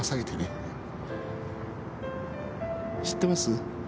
知ってます？